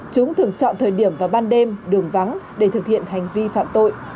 chúng thường chọn thời điểm vào ban đêm đường vắng để thực hiện hành vi phạm tội